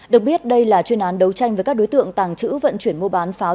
được biết đây là chuyên án đấu tranh với các đối tượng tàng trữ vận chuyển mua bán pháo